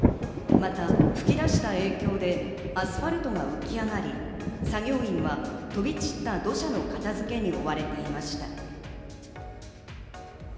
また噴き出した影響で、アスファルトが浮き上がり、作業員は飛び散った土砂の片付けに追われていました。